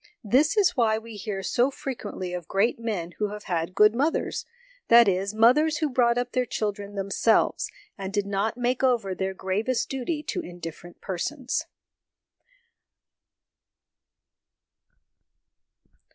This is why we hear so frequently of great men who have had good mothers that is, mothers who brought up their children themselves, and did not make over their gravest duty to indifferent persons.